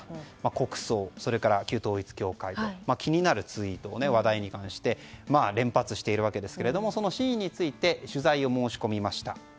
国葬、旧統一教会と気になるツイートを話題に関して連発しているわけですけれどもその真意について取材を申し込みました。